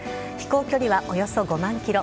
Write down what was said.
飛行距離はおよそ５万ｋｍ。